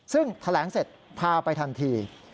ซึ่งแถลงเสร็จพาไปทันที